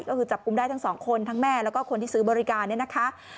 ก็คือจับกุมได้ทั้งสองคนทั้งแม่แล้วก็คนที่ซื้อบริการเนี่ยนะคะ